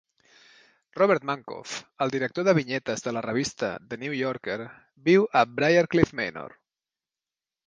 Robert Mankoff, el director de vinyetes de la revista "The New Yorker" viu a Briarcliff Manor.